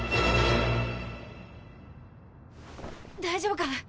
大丈夫か！